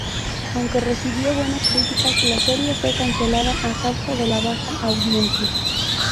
Aunque recibió buenas críticas, la serie fue cancelada a causa de la baja audiencia.